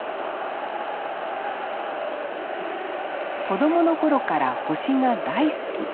子供の頃から星が大好き。